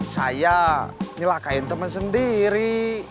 saya nyelakain temen sendiri